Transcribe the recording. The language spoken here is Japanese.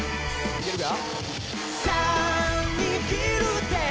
いけるか？